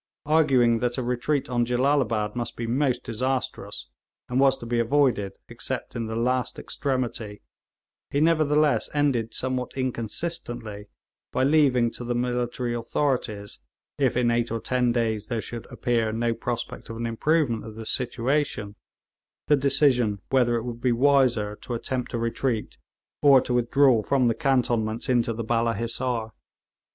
Arguing that a retreat on Jellalabad must be most disastrous, and was to be avoided except in the last extremity, he nevertheless ended somewhat inconsistently by leaving to the military authorities, if in eight or ten days there should appear no prospect of an improvement of the situation, the decision whether it would be wiser to attempt a retreat or to withdraw from the cantonments into the Balla Hissar.